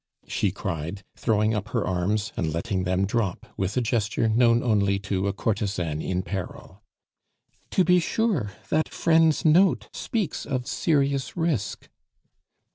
she cried, throwing up her arms, and letting them drop with a gesture known only to a courtesan in peril. "To be sure; that friend's note speaks of serious risk."